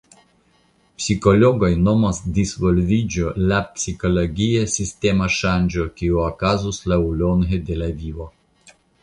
Psikologoj nomas "disvolviĝo" la psikologia sistema ŝanĝo kiu okazas laŭlonge de la vivo.